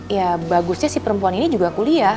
ya bagusnya si perempuan ini juga kuliah